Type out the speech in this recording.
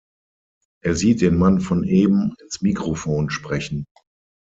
Er sieht den Mann von eben ins Mikrofon sprechen.